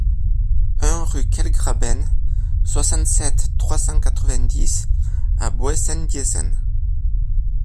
un rue Quellgraben, soixante-sept, trois cent quatre-vingt-dix à Bœsenbiesen